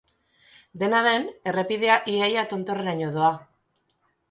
Dena den, errepidea ia-ia tontorreraino doa.